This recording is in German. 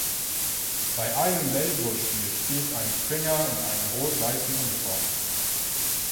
Bei einem Baseball-Spiel spielt ein Fänger in einer rot-weißen Uniform.